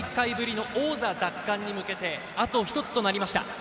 そして３大会ぶりの王座奪還に向けてあと１つとなりました。